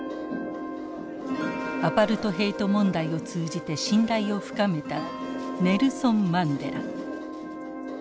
アパルトヘイト問題を通じて信頼を深めたネルソン・マンデラ。